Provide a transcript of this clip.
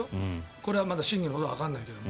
これはまだ真偽のほどはわからないけど。